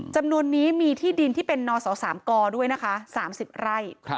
จำนวนนี้มีที่ดินที่เป็นนศ๓กด้วยนะคะ๓๐ไร่